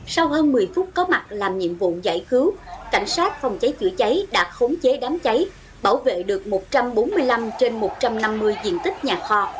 sau hơn một mươi phút có mặt làm nhiệm vụ giải cứu cảnh sát phòng cháy chữa cháy đã khống chế đám cháy bảo vệ được một trăm bốn mươi năm trên một trăm năm mươi diện tích nhà kho